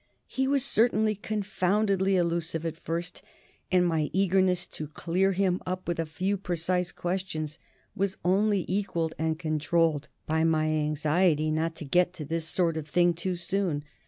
He was certainly confoundedly allusive at first, and my eagerness to clear him up with a few precise questions was only equalled and controlled by my anxiety not to get to this sort of thing too soon.